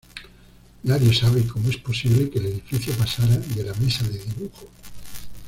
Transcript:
Nadie sabe cómo es posible que el edificio pasara de la mesa de dibujo.